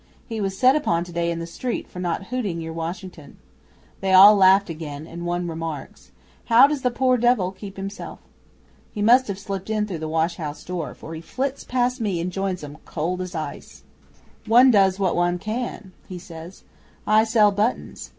"He was set upon today in the street for not hooting your Washington." They all laughed again, and one remarks, "How does the poor devil keep himself?" 'He must have slipped in through the washhouse door, for he flits past me and joins 'em, cold as ice. '"One does what one can," he says. "I sell buttons.